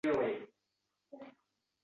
«Xuddi oʼzi-ya!», deb oʼyladi Аmir.